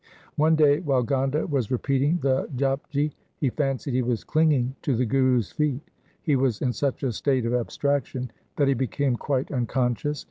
1 One day while Gonda was repeating the Japji, he fancied he was clinging to the Guru's feet. He was in such a state of abstraction that he became quite unconscious.